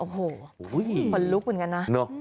คนลุกเหมือนกันนะ